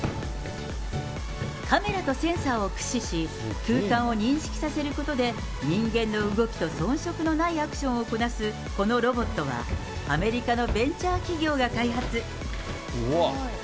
カメラとセンサーを駆使し、空間を認識させることで、人間の動きと遜色のないアクションをこなすこのロボットは、アメリカのベンチャー企業が開発。